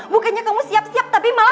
bukannya kamu siap siap tapi malah